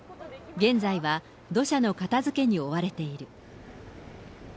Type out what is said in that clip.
現在は土砂の片づけに追われている。